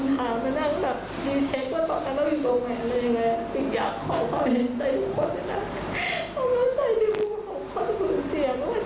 พร้าบอื่นน้ัสเขาเสียเพื่อนไปนะ